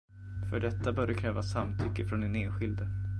För detta bör det krävas samtycke från den enskilde.